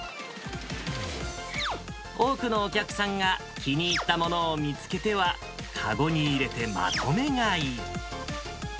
多くのお客さんが気に入ったものを見つけては、かごに入れてまとめ買い。